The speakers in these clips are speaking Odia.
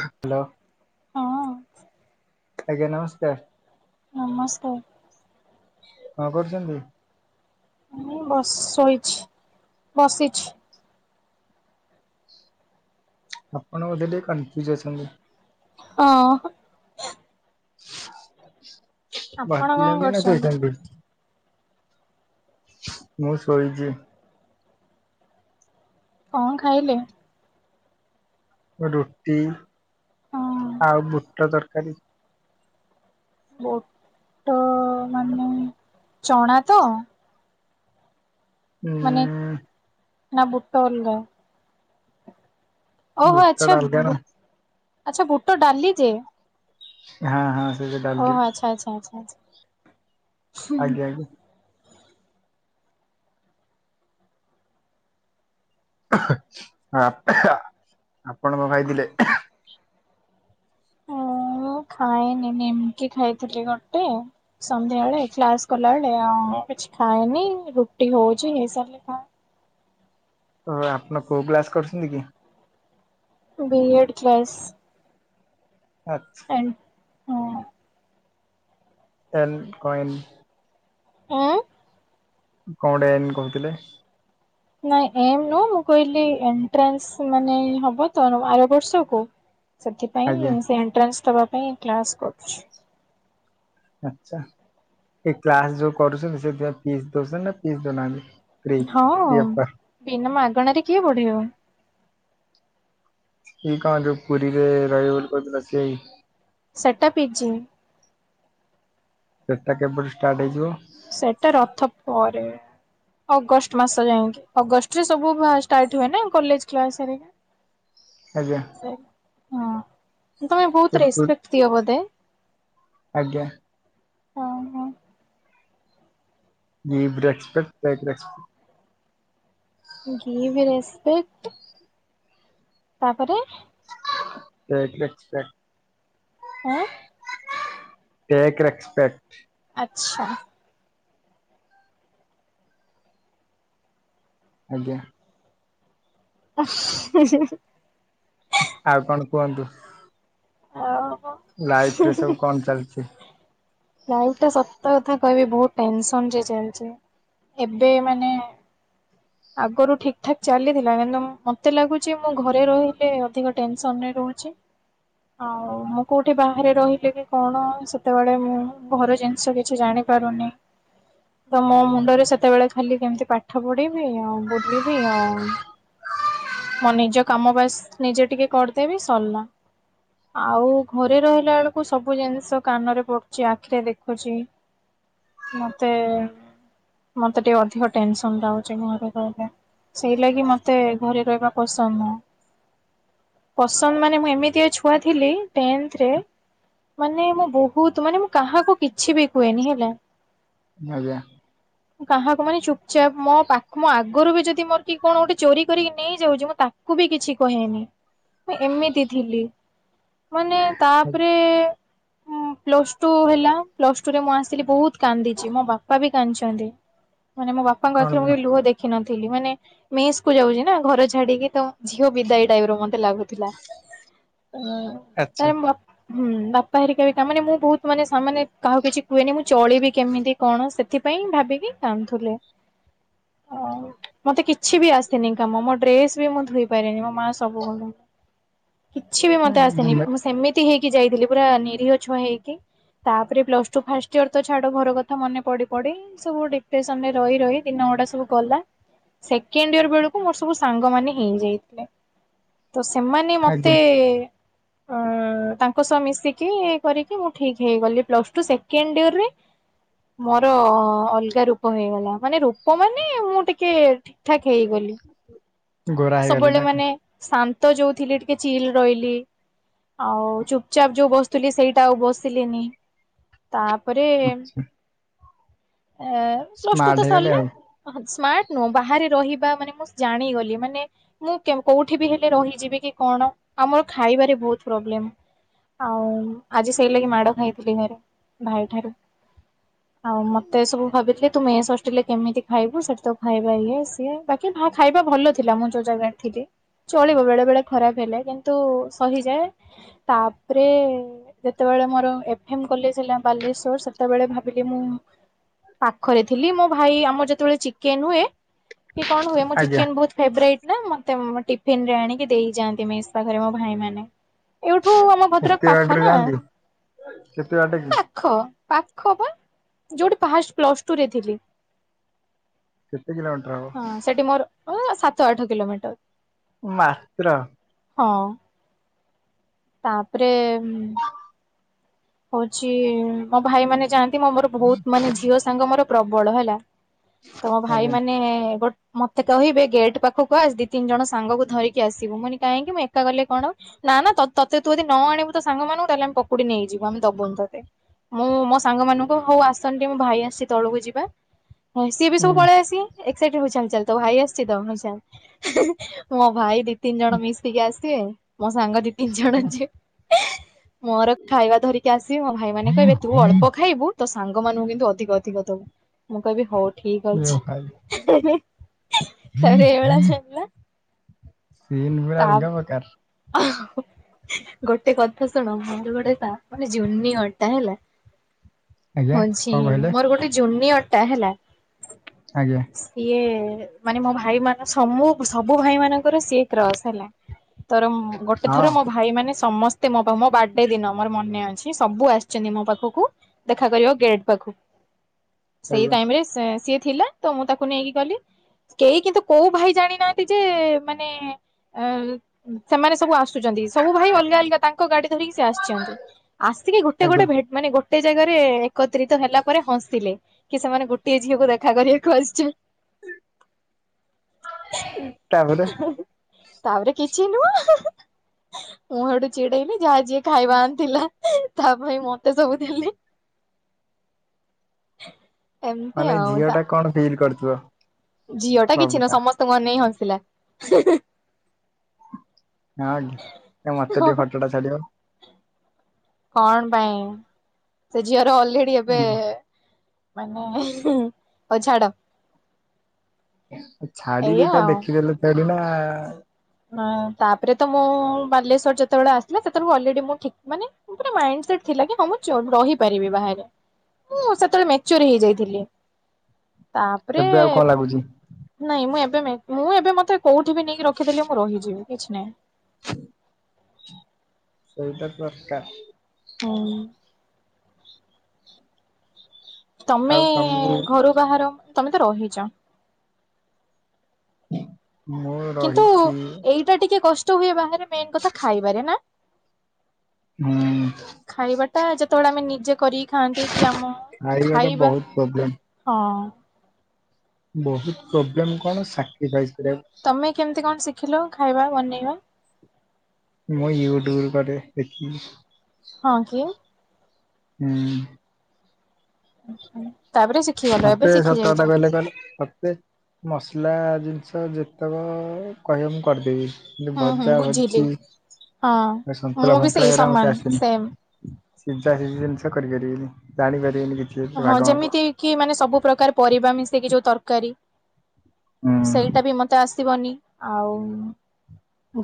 ହ୍ୟାଲୋ ହଁ ଆଜ୍ଞା ନମସ୍କାର। ନମସ୍କାର କଣ କରୁଛନ୍ତି? ମୁଁ ବସି ଶୋଇଚି ବସିଚି। ଆପଣ ବୋଧେ ଟିକେ କନଫ୍ୟୁଜ ଅଛନ୍ତି। ହଁ। ଆପଣ କଣ ବସିଛନ୍ତି ନାଁ କରୁଛନ୍ତି ଶୋଇଛନ୍ତି। ମୁଁ ଶୋଇଚି। କଣ ଖାଇଲେ? ରୁଟି ହଁ ଆଉ ବୁଟ ତରକାରୀ। ବୋଟ ମାନେ ଚଣା ତ? ମାନେ ହୁଁ ନା ବୁଟ ଅଲଗା? ଓହୋ ବୁଟ ଆଚ୍ଛା ଡାଲମା ନା ବୁ ଆଛା ବୁଟ ଡାଲି ଯେ ହାଁ ହାଁ ସେଇ ଯୋ ଓହୋ ଆଚ୍ଛା ଆଚ୍ଛା ଆଛା ଆଚ୍ଛା। ଆଜ୍ଞା ଆଜ୍ଞା। ଆ ଆ ଆପଣ ମ ଭାଇ ଥିଲେ। ଖାଇନି, ନିମକି ଖାଇଥିଲି ଗୋଟେ ସନ୍ଧ୍ୟା ବେଳେ କ୍ଲାସ କଲା ବେଳେ ଆ ଉ କିଛି ଖାଏନି ରୁଟି ହଉଛି ହେଇସାରିଲେ ଖା ଓହୋ ଆପଣ କୋଉ କ୍ଲାସ କରୁଛନ୍ତି କି? ବି ଏ ଡ୍ କ୍ଲାସ। ଆଚ୍ଛା। [unintelligible] ହଁ ଟନ୍ କଏନ୍। ଆଁ। କଣଗୋଟେ ଏନ କହୁଥିଲେ? ନାଇଁ ଏମ ନୁହଁ ମୁଁ କହିଲି ଏଣ୍ଟ୍ରାନ୍ସ ମାନେ ହବ ତ ଆର ବର୍ଷକୁ ଆଜ୍ଞା ସେଥିପାଇଁ ସେ ଏଣ୍ଟ୍ରାନ୍ସ ଦବା ପାଇଁ କ୍ଲାସ କରୁଛି। ଆଛା। ଏ କ୍ଲାସ ଯୋଉ କରୁଛନ୍ତି ସେଥିପାଇଁ ଫିସ୍ ଦଉଛନ୍ତି ନା ଫିସ୍ ଦଉନାହାନ୍ତି? ଫ୍ରି? ହଁ ବିନା ମାଗଣାରେ କିଏ ପଢେଇବ? କି କାମ ଯୋଉ ପୁରୀରେ ରହିବ ବୋଲି କହୁଥିଲା ସେଇ? ସେଟା ପି ଜି। ସେଟା କେବେଠୁ ଷ୍ଟାର୍ଟ ହେଇଯିବ? ସେଟା ରଥ ପରେ। ଅଗଷ୍ଟ ମାସ ଯାଇକି ଅଗଷ୍ଟରେ ସବୁ ଷ୍ଟାର୍ଟ ହୁଏ ନା କଲେ୍ଜକ୍ଲାସ ସାରିକିନା। ଆଜ୍ଞା! ହଁ, ତମେ ବହୁତ ସେପୁ ରେସ୍ପେକଟ ଦିଅ ବୋଧେ। ଆଜ୍ଞା ହଁ, ହଁ। Give respect take respect. Give respect. ତାପରେ, ଟେକ ରେସ୍ପେକ୍ଟ। ହଁ, ଟେକ୍ ରେସପେକ୍ଟ। ଆଚ୍ଛା। ଆଜ୍ଞା। [unintelligible] ଆଉ କଣ କୁହନ୍ତୁ? ଓ ହୋ। ଲାଇଫରେ ସବୁ କଣ ଚାଲିଛି? ଲାଇଫ ଟା ସତ କଥା କହିବି ବହୁତ ଟେନସନରେ ଚାଲିଛି, ଏବେ ମାନେ ଆଗରୁ ଠିକ୍ ଠାକ୍ ଚାଲିଥିଲା କାହିଁକି ନା ମତେ ଲାଗୁଛି ମୁଁ ଘରେ ରହିଲେ ଅଧିକ ଟେନସନରେ ରହୁଛି। ଆଉ ମୁଁ କୋଉଠି ବାହାରେ ରହିଲେ ବି କଣ ସେତେବେଳେ ମୁଁ ଘର ଜିନିଷ ବି କିଛି ଜାଣିପାରୁନି। [inaudible] ତ ମୋ ମୁଣ୍ଡରେ ସେତେବେଳେ ଖାଲି କେମିତି ପାଠ ପଢିବି ଆଉ ବୁଲିବି ଆଉ ମୋ ନିଜ କାମ ବାସ ନିଜେ ଟିକେ କରିଦେବି ସରିଲା। ଆଉ ଘରେ ରହିଲା ବେଳକୁ ସବୁ ଜିନିଷ କାନରେ ପଡୁଛି, ଆଖିରେ ଦେଖୁଛି। ? ମୋତେ ମୋତେ ଟିକେ ଅଧିକ ଟେନସନ ଲାଗୁଚି। ଘରେ ରହିଲା, ସେଇ ଲାଗି ମତେ ଘରେ ରହିବା ପସନ୍ଦ ନୁହଁ। ପସନ୍ଦ ମାନେ, ମୁଁ ଏମିତିଆ ଛୁଆ ଥିଲି ଟେନଥ ରେ ମାନେ ମୁଁ ବହୁତ ମାନେ ମୁଁ କାହାକୁ କିଛି ବି କୁହେନି ହେଲା। ଆଜ୍ଞା। କାହା ପାଇଁ ଚୁପଚାପ ମୋ ପା ମୁଁ ଆଗରୁ ବି ଯଦି ମୋର କିଏ କଣ ଗୋଟେ ଚୋରି କରିକି ନେଇଯାଉଛି, ମୁଁ ତାକୁ ବି କିଛି କହେନି। ମୁଁ ଏମିତି ଥିଲି, ମାନେ ତାପରେ ପ୍ଲସ ଟୁ ହେଲା, ପ୍ଲସ ଟୁରେ ମୁଁ ଆସିଲି ବହୁତ କାନ୍ଦିଛି। ମୋ ବାପା ବି କାନ୍ଦିଛନ୍ତି। ମାନେ ମୋ ବାପାଙ୍କ କଣ ଆଖିରେ ମୁଁ ପାଇଁ କେବେ ଲୁହ ଦେଖିନଥିଲି। ମାନେ ମେସ୍ କୁ ଯାଉଛି ନା, ଘର ଛାଡିକି ତ ଝିଅ ବିଦାୟ ଟାଇପର ମତେ ଲାଗୁଥିଲା। [inaudible] ହଁ, ଆଚ୍ଛା ଟାଇମ ବା ହୁଁ, ବାପା ହେରିକା ବି, ତା ମାନେ ମୁଁ ବହୁତ କିଛି ଶହେ, କାହାକୁ କିଛି କୁହେନି, ମୁଁ ଚଳିବି କେମିତି କଣ ସେଥିପାଇଁ ଭାବିକି କାନ୍ଦୁଥିଲି। ଓଃ, ମତେ କିଛି ବି ଆସିନି କାମ। ମୋ ଡ୍ରେସ ବି ମୁଁ ଧୋଇ ପାରେନି, ମୋ ମା ସବୁ କରେ। କିଛି ବି ମତେ ଆସେନି। ଉଁ, ମୁଁ ସେମିତି ହେଇକି ଯାଇଥିଲି। ପୁରା ନିରୀହ ଛୁଆ ହେଇକି। ତାପରେ ପ୍ଲସ ଟୁ ଫାଷ୍ଟ ଇୟର ତ ଛାଡ, ଘର କଥା ମନେ ପଡି ପଡି ସବୁ ଡିଫ୍ରେଶନରେ ରହି, ରହି ଦିନ ଗୁଡା ସବୁ ଗଲା, ସେକେଣ୍ଡ ଇଅର ବେଳକୁ ମୋର ସବୁ ସାଙ୍ଗ ମାନେ ହେଇ ଯାଇଥିଲେ। ତ, ସେମାନେ ମୋତେ ? ତାଙ୍କ ସହ ମିଶିକି କରିକି, ମୁଁ ଠିକ ହେଇଗଲି ପ୍ଲସ ଟୁ ସେଣ୍ଡ ଇଅରରେ ମୋର ଅଲଗା ରୂପ ହେଇଗଲା। ମାନେ ରୂପ ମାନେ ନାଇଁ ମୁଁ ଟିକେ ଠିକ ଠାକ ହେଇଗଲି ଗୋରା ହେଇଗଲେ ନା ସବୁବେଳେ କଣ ମାନେ ଶାନ୍ତ ଯୋଉଥିଲି ଟିକେ ଚିଲ ରହିଲି। ଆଉ ଚୁପଚାପ୍ ଯୋଉ ବସୁଥିଲି ସେଇଟା ଆଉ ବସିଲିନି। ତାପରେ ଆଚ୍ଛା। ଏ ପ୍ଲସ ଟୁ ସ୍ମାର୍ଟ ତ ହେଇଗଲେ ସରିଲା। ଆଉ ସ୍ମାର୍ଟ ନୁହଁ ବାହାରେ ରହିବା ମାନେ ମୁଁ ଜାଣିଗଲି ମାନେ ମୁଁ କେ କୋଉଠି ବି ହେଲେ ରହିଯିବି କି କଣ ଆମର ଖାଇବାରେ ବହୁତ ପ୍ରୋବ୍ଲେମ। ଆଉ ଆଜି ସେଇ ଲାଗି ମାଡ ଖାଇଥିଲି ଘରେ ଭାଇ ଠାରୁ। ଆଉ ମତେ ସବୁ ଭାବିଥିଲି ତୁ ମେସ ହୋଷ୍ଟେଲ ରେ କେମିତି ଖାଇବୁ ସେଠି ତ ଖାଇବା ଇଏ ସିଏ ବାକି ଖା ଖାଇବା ଭଲ ଥିଲା ମୁଁ ଯୋଉ ଜାଗା ରେ ଥିଲି। ଚଳିବ ବେଳେ ବେଳେ ଖରାପ ହେଲେ କିନ୍ତୁ, ସହିଯାଏ ତାପରେ ଯେତେବେଳେ ମୋର ଏଫ ଏ କଲେଜ ହେଲା, ବାଲେଶ୍ଵର ସେତେବେଳେ ଭାବିଲି ମୁଁ ପାଖରେ ଥିଲେ ମୋ ଭାଇ ଆମର ଯେତେବେଳେ ଚିକେନ ହୁଏ କି କଣ ହୁଏ, ମୁଁ ଆଜ୍ଞା ଚିକେନକୁ ବହୁତ ଫେବ୍ରେଇଟ ନା ମତେ ମୋ ଟିଫିନରେ ଆଣିକି ଦେଇଯାଆନ୍ତି ମେଶ୍ ପାଖରେ ମୋ ଭାଇ ମାନେ। ଏଇଠୁ ଆମ ଭଦ୍ରକ ଏତେ ପାଖ ବାଟରେ ନା ପା ଯାଆନ୍ତି କେତେ ବାଟ କି? ପାଖ, ପାଖ ବା ଯୋଉଠି ଫାଷ୍ଟ ପ୍ଲସ ଟୁ ରେ ଥିଲି। କେତେ କିଲୋମିଟର ହବ? ହଁ, ସେଠି ମୋର ଅ ସାତ ଆଠ କିଲୋମିଟର। ମାତ୍ର, ହଁ, ତାପରେ ଏ-ଏ-ମ୍ ହଉଛି-ଇ-ଇ-ଇ ମୋ ଭାଇ ମାନେ ଯାଆନ୍ତି, ମୋ ମୋର ବହୁତ ମାନେ ଝିଅ ସାଙ୍ଗ ମୋର ପ୍ରବଳ ହେଲା। ତମ ଭାଇ ଆଜ୍ଞା ମାନେ, ବଟ୍ ମତେ କହିବେ ଗେଟ୍ ପାଖକୁ ଆସେ ଦି, ତିନି ଜଣ ସାଙ୍ଗକୁ ଧରିକି ଆସିବୁ। ମୁଁ କହିଲି, କାହିଁକି ମୁଁ ଏକା ଗଲେ କଣ? ନା ନା ତ ତତେ ତୁ ଯଦି ନ ଆଣିବୁ ତ ସାଙ୍ଗମାନଙ୍କୁ ତାହେଲେ ଆମ ପକୁଡି ନେଇଯି ଆମେ ଦବୁନି ତତେ, ମୁଁ ମୋ ସାଙ୍ଗ ମାନଙ୍କୁ ହଉ ଆସନି ଟିକେ ମୋ ଭାଇ ଆସିଛି ତଳକୁ ଯିବା। ହଇ ସିଏ ବି ସବୁ ପଳେଇ ହୁଁ ଆସିବେ। ଏକ୍ସାଇଟେଡ ହୋଉ ଚାଲ ଚାଲ ତୋ ଭାଇ ଆସିଛି ତ ହୋଉ ଚାଲ। ହି ହିଁ ମୋ ଭାଇ ଦେଖ ତିନି ଜଣ ମିଶିକି ଆସିବେ। ମୋ ସାଙ୍ଗ ଦି ତିନି ଜଣ ଯିବେ। ମୋର ଖାଇବା ଧରିକି ଆସିବେ ମୋ ଭାଇ ମାନେ କହିବେ ତୁ ଅଳ୍ପ ଖାଇବୁ ତ ସାଙ୍ଗମାନଙ୍କୁ କିନ୍ତୁ ଅଧିକ ଅଧିକ ଦବୁ। ମୁଁ କହିବି ହଉ ଠିକ ଏ ଭାଇ ଅଛି। ତାପରେ ଏଇଭଲିଆ ଚାଲିଲା। ସିନ୍ ପୁରା ଆଲଗା ପ୍ରକାର। ହ ହ ଗୋଟେ କଥା ଶୁଣ ମୁଁ [unintelligible] ମାନେ ଜୁନିଅରଟା ହେଲା, ଆଜ୍ଞା ହଉଛି କଣ କହିଲେ ମୋର ଗୋଟେ ଜୁନିଅର ଟା ହେଲା ଆଜ୍ଞା, ସିଏ-ଏ-ଏ-ଏ ମାନେ ମୋ ଭାଇ ମାନ ସମୁ ସବୁ ଭାଇ ମାନଙ୍କର ସିଏ କ୍ରସ୍ ହେଲା। ତରମ୍ ଗୋଟେ ହଁ ଥର ମୋ ଭାଇ ମାନେ ସମସ୍ତେ ମୋ ପା ମୋ ବାର୍ଥଡେ ଦିନ ମୋର ମ ମନେ ଅଛି ସବୁ ଆସିଛନ୍ତି ମୋ ପାଖକୁ ଦେଖା କରିଆକୁ ଗେଟ ପାଖକୁ। ସେଇ ଆଜ୍ଞା ଟାଇମ ରେ ସେ ସିଏ ଥିଲା ତ ମୁଁ ତାକୁ ନେଇକି ଗଲି। କେହି କିନ୍ତୁ କୋଉ ଭାଇ ଜାଣିନାହାନ୍ତି ଯେ-ଏ-ଏ-ଏ ମାନେ ଏ-ଏ-ଏ ସେମାନେ ସବୁ ଆସୁ ଆସୁଛନ୍ତି ସବୁ ଭାଇ ଅଲଗା ଅଲଗା ତାଙ୍କ ଗାଡି ଧରିକି ସେ ଆସିଛନ୍ତି। ଆସିକି ଗୋଟେ ଆଜ୍ଞା ଗୋଟେ ଭେ ମାନେ ଗୋଟେ ଜାଗାରେ ଏ-ଏ ଏକତ୍ରିତ ହେଲା ପରେ ହସିଲେ। କି ସେମାନେ ଗୋଟିଏ ଝିଅକୁ ଦେଖା କରିବାକୁ ଆସିଛନ୍ ତାପରେ ତାପରେ କିଛି ନୁହଁ, ମୁଁ ସେଠୁ ଚିଡେଇଲି ଯାହା ଯିଏ ଖାଇବା ଆନ୍ ଥିଲା ତା ପାଇଁ ମତେ ସବୁ ଦେଲେ। ଏମିତି ମାନେ ଆଉ ଝିଅ ଟା କଣ ଫିଲ୍ କରିଥିବ। ଝିଅ ଟା କିଛି ନୁହଁ ସମସ୍ତଙ୍କୁ ଅନେଇ ହସିଲା ହି ହି। ଆଉ ମତେ ଟିକେ ଫଟୋଟା ଛାଡିବ। କଣ ପାଇଁ? ସେ ଝିଅର ଅଲରେଡି ହୁଁ। ଏବେ-ଏ-ଏ ମାନେ-ଏ-ଏ-ଏ ହଉ ଛାଡ଼। ଛାଡ଼ି ଏଇଆ ଦେଇଥାନ୍ତେ ଦେଖିଦେଲେ ଥୋଡ଼ି ନା-ଆ-ଆ-ଆ। ହଁ ତାପରେ ତ ମୁଁ-ଉ-ଉ-ଉ ବାଲେଶ୍ଵର ଯେତେବେଳେ ଆସିଲେ ସେତେବେଳକୁ ଅଲରେଡି ମୁଁ ଠିକ୍ ମାନେ ପୁରା ମାଇଣ୍ଡ ସେଟ୍ ଥିଲା କି ହଁ ମୁଁ ଚଳ୍ ରହିପାରିବି ବାହାରେ। ମୁଁ ସେତେବେଳେ ମେଚୁଅର ହେଇଯାଇଥିଲି। ଏବେ ଆଉ କଣ ତାପରେ-ଏ-ଏ ଲାଗୁଛି ନାଇଁ ମୁଁ ଏବେ ମେ ମୁଁ ଏବେ ମତେ କୋଉଠି ବି ନେଇକି ରଖି ଖିଦେଲେ ମୁଁ ରହିଯିବି କିଛି ନାହିଁ। ସେଇଟା ଦରକାର। ହୁଁ। ଆଉ ତମକୁ ତମେ-ଏ-ଏ-ଏ ଘରୁ ବାହାର, ତମେ ତ ରହିଚ। ମୋ-ଓ-ଓ କିନ୍ତୁ ଏଇଟା ଟିକେ କଷ୍ଟ ହୁଏ ବାହାରେ ମେନ୍ କଥା ଖାଇବାରେ ନା? ହୁଁ। ଖାଇବା ଟା ଯେତେବେଳେ ଆମେ ନିଜେ କରିକି ଖାଆନ୍ତି କି ଆମ ଟା ଖାଇବା ବହୁତ ପ୍ରୋବ୍ଲେମ ହଁ। ବହୁତ ପ୍ରୋବ୍ଲେମ କଣ ସାକ୍ରିଫାଇଜ କରିବାକୁ [unintelligible] ତମେ କେମିତି କଣ ଶିଖିଲ ଖାଇବା ବନେଇବା? ମୁଁ ୟୁଟ୍ୟୁବରୁ କରେ ଦେଖିକି। ହଁ ଯେ ହୁଁ। ଆଚ୍ଛା। ମତେ ସତ କଥା କହଲେ କହିଲେ ମତେ ମସଲା ଜିନିଷ ଯେତେକ କହିବ ମୁଁ କରିଦେବି। କି ହୁଁ ହୁଁ ଭଜା ବୁଝିଲି। ଭଜି ଏ ହଁ ମୁଁ ସନ୍ତୁଳା ବି ଫନ୍ତୁଳା ସେଇ ଏଗୁରା ମତେ ସମାନ ଆସେନି। ସେମ। ସିଯା ସିଯି ଜିନଷ କରି ପାରିବିନି ଜାଣି ପାରିବିନି କି ହଁ ଯେମିତି କି ମାନେ ସବୁ ପ୍ରକାର ପରିବା ମିଶେଇକି ଯୋଉ ତରକାରୀ। ସେଇଟା ହୁଁ ବି ମତେ ଆସିବନି, ଆଉ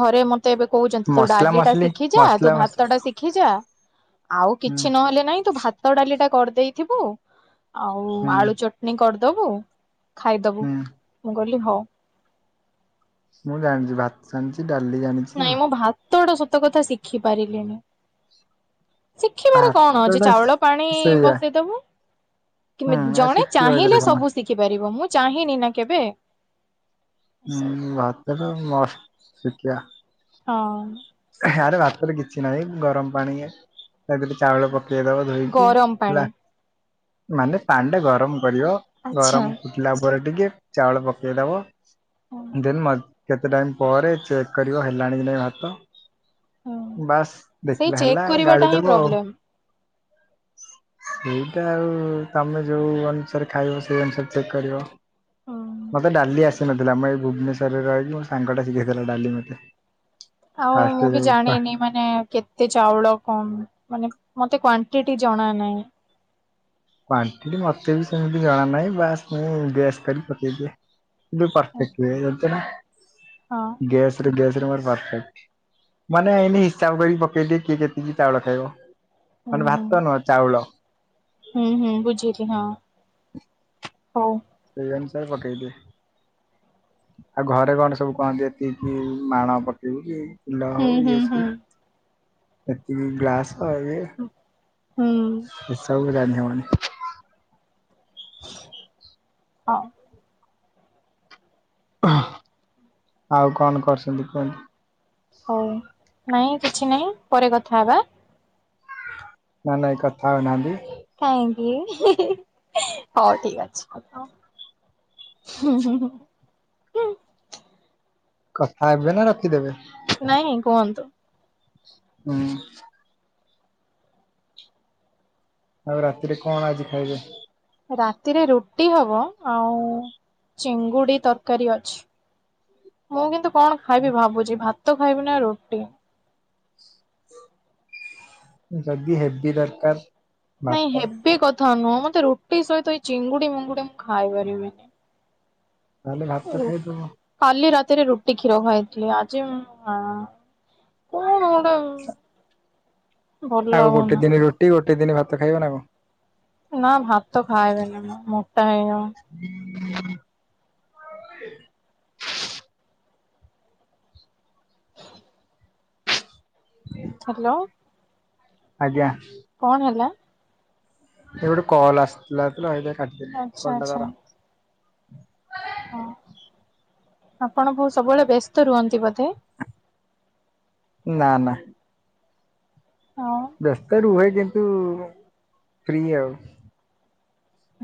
ଘରେ ମ ତେ ଏବେ କହୁଛନ୍ତି ତୁ ମସଲା ଡାଲିଟା ମସଲି ଶିଖିଯା ତୁ ମସଲା ମସଲି ଭାତଟା ଶିଖିଯା ଆଉ ହୁଁ କିଛି ନହେଲେ ନାଇଁ ତୁ ଭା ଭାତ ଡାଲିଟା କରିଦେଇଥିବୁ ଆଉ ହୁଁ ଆଳୁ ଚଟନି କରଦବୁ ଖାଇଦବୁ, ହୁଁ ମୁଁ କହିଲି ହଉ। ମୁଁ ଜାଣଚି ଭାତ ଜାଣିଛି, ଡାଲି ଜାଣି ନାଇଁ ମୁଁ ଭାତଟା ସତ କଥା ଶିଖି ପାରିଲିନି। ଶିଖିବାରେ କଣ ଭାତ ଅଛି ଟା ଚାଉଳ ପାଣି ସେଇଆ ବସେଇଦବୁ। କେମି ହୁଁ ଆଉ ଜଣେ ଶିଖିବ ଏଥିରେ ଚାହିଁଲେ କଣ ସବୁ ଶିଖିପାରିବ ମୁଁ ଚାହିଁନି ନା କେବେ। ଉଁ ଭାତଟା ମଷ୍ଟ ଶିଖିିଆ। ହଁ। ଆରେ ଭାତରେ କିଛି ନାହିଁ ଗରମ ପାଣି [unintelligible] ଚାଉଳ ପକେଇଦବ ଧୋଇକି ଗରମ ହେଲା ପାଣି। ମାନେ ପାଣିଟା ଗରମ କରିବ ଆଚ୍ଛା। ଗରମ ଫୁଟିଲା ପରେ ଟିକେ ଚାଉଳ ପକେଇଦବ, ଦେନ୍ ମ କେତେ ଟାଇମ୍ ପରେ ଚେକ୍ କରିବ ହେଲାଣି କି ନାଇଁ ଭାତ। ହଁ ବାସ୍ ସେଇ ଦେଖିଲା ଚେକ୍ ହେଲା, କରିବାଟା ଗାଳି ହିଁ ଦବ ଆଉ। ପ୍ରୋବ୍ଲେମ। ସେଇଟା ଆଉ ତମେ ଯୋଉ ଅନୁସାରେ ଖାଇବ, ସେଇ ଅନୁସାରେ ଚେକ୍ କରିବ। ହଁ ମତେ ଡାଲି ଆସିନଥିଲା ମୁଁ ଏଇ ଭୁବନେଶ୍ଵରରେ ରହିକି ମୋ ସାଙ୍ଗଟା ଶିଖେଇଥିଲା ଡାଲି ମତେ। ଆଉ ଫାଷ୍ଟ ମୁଁ ବି ଯୋଉ ଜାଣିନି। ମାନେ କେତେ ଚାଉଳ କମ୍ ମାନେ ମତେ କ୍ଵାଣ୍ଟିଟି ଜଣା ନାଇଁ। କ୍ୱାଣ୍ଟିଟି ମୋତେ ବି ସେମିତି ଜଣା ନାହିଁ, ବାସ୍ ମୁଁ ଗେସ୍ କରି ପକେଇଦିଏ। ବି ହଁ ପର୍ଫେକ୍ଟ ହେଇଯାଉଚି ନା ଗ୍ୟାସ୍ ରେ ଗ୍ୟାସରେ ମୋର ପର୍ଫେକ୍ଟ। ମାନେ ଏଇନେ ହିସାବ କରି ପକେଇ ଦିଏ କିଏ କେତିକି ଚାଉଳ ଖାଇବ ହୁଁ ମାନେ ହୁଁ ଭାତ ନୁହ ଚାଉଳ। ହୁଁ ହୁଁ ବୁଝିଲି ହଁ। [inaudible] ହଉ। ସେଇ ଅନୁସାରେ ପକେଇ ଦିଏ। ଆଉ ଘରେ କଣ ସବୁ କହନ୍ତି ଏତିକିି ମାଣ ପକେଇକି କୁଣ୍ଡ ହୁଁ ହଉ ହୁଁ ଇଏ ହୁଁ। ସିଏ ଏତିକି ଗ୍ଲାସ ଇଏ ହୁଁ। ଏସବୁ ଜାଣି ହବନି। ହଁ। ଆଉ କଣ କରଛନ୍ତି କୁହନ୍ତୁ? ହଉ ନାଇଁ କିଛି ନାଇଁ ପରେ କଥା ହବା। ନା ନାଇଁ କଥା ହଉନାହାନ୍ତି କାହିଁକି ହି ହି ହଉ ଠିକ ଅଛି ହୁଁ ହୁଁ ହୁଁ ହୁଁ କଥା ହେବେ ନା ରଖିଦେବେ? ନାଇଁ କୁହନ୍ତୁ ହଁ ଆଉ ରାତିରେ କଣ ଆଜି ଖାଇବେ? ରାତିରେ ରୁଟି ହବ ଆଉ ଚିଙ୍ଗୁଡି ତରକାରୀ ଅଛି ମୁଁ କିନ୍ତୁ କଣ ଖାଇବି ଭାବୁଛି ଭାତ ଖାଇବି ନା ରୁଟି ଯଦି ହେବି ଦରକାର ନାଇଁ ଭାତ ହେବି କଥା ନୁହଁ ମୋତେ ରୁଟି ସହିତ ଏଇ ଚିଙ୍ଗୁଡି ମିଙ୍ଗୁଡି ମୁଁ ଖାଇ ପାରିବିନି ତାହେଲେ ଭାତ ଖାଇଦବ କାଲି ରାତିରେ ରୁଟି କ୍ଷୀର ଖାଇଥିଲି ଆଜି ମୁ ହଁ କଣ ହଁ ଆଗ ଗୋଟେ ଦିନ ରୋଟି ଗୋଟେ ଦିନ ଭାତ ଖାଇବ ନା କଣ? ନା ଭାତ ଖାଇବିନି ମୁଁ ମୋଟା ହେଇଯିମି [unintelligible] ହଁ ହ୍ୟାଲୋ ଆଜ୍ଞା କଣ ହେଲା? ଏବେଟ କଲ ଆସିଥିଲାତ ସେ ପାଇଁ କାଟିଦେଲି ଆଚ୍ଛା ଗୋଟେ ଆଚ୍ଛା। ଥର ହଁ ଆପଣ ବ ସବୁବେଳେ ବ୍ୟସ୍ତ ରୁହନ୍ତି ବୋଧେ? ନା ନା ହଁ ବ୍ୟସ୍ତ ରୁହେ କିନ୍ତୁ ଫ୍ରି ଆଉ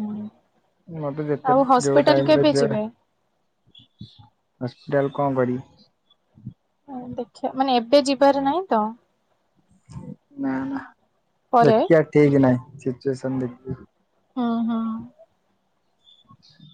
ହୁଁ ମୋତେ ଯେତେ ଆଉ ଯୋଉ ହସ୍ପିଟାଲ ଟାଇମରେ କେବେ ଜ ଯିବେ? ହସ୍ପିଟାଲ କଣ କରିବି? ଦେଖିବା ମାନେ ଏବେ ଯିବାର ନାହିଁ ତ ନା ନା ପରେ ଦେଖିବା ଠିକ ନାହିଁ ସିଚୁଏସନ ଦେଖି - ହଁ ହଁ